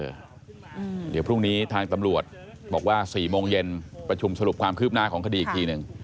เดี๋ยวพรุ่งนี้ทางตำรวจบอกว่า๔โมงเย็นประชุมสรุปความคืบหน้าของคดีอีกทีหนึ่ง